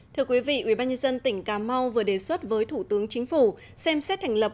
thưa quý vị ubnd tp đà nẵng vừa đề xuất với thủ tướng chính phủ xem xét thành lập